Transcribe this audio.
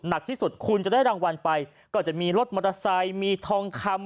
หนักที่สุดคุณจะได้รางวัลไปก็จะมีรถมอเตอร์ไซค์มีทองคำ